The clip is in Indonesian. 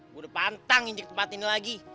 gua udah pantang ngijik tempat ini lagi